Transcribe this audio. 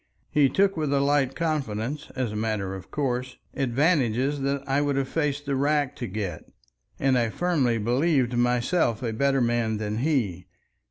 He took with a light confidence, as a matter of course, advantages that I would have faced the rack to get, and I firmly believed myself a better man than he.